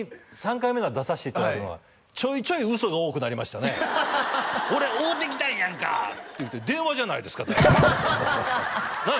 ３回目なの出させていただくのがちょいちょい嘘が多くなりましたね「俺会うてきたんやんか！」って言って電話じゃないですか何？